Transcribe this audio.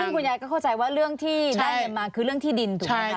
ซึ่งคุณยายก็เข้าใจว่าเรื่องที่ได้เงินมาคือเรื่องที่ดินถูกไหมคะ